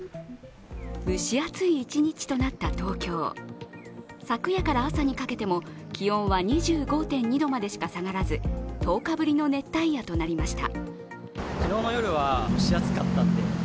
蒸し暑い一日となった東京昨夜から朝にかけても気温は２５．２度までしか下がらず１０日ぶりの熱帯夜となりました。